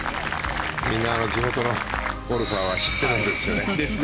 みんな地元のゴルファーは知ってるんですよね。